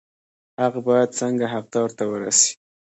حق باید څنګه حقدار ته ورسي؟